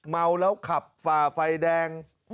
เมาแล้วขับฝ่าไฟแดง